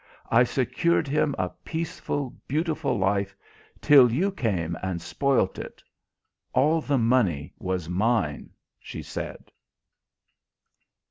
I secured him a peaceful, beautiful life, till you came and spoilt it.... All the money was mine," she said.